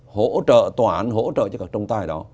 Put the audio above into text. hỗ trợ tòa án hỗ trợ cho các trung tài đó